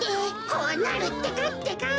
こうなるってかってか。